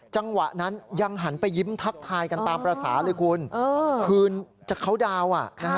จังหวะนั้นยังหันไปยิ้มทักทายกันตามปราสาทคือเขาดาว